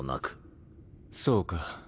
そうか。